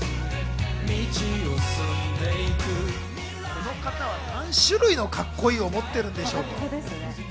この方は何種類のカッコいいを持ってるんでしょう。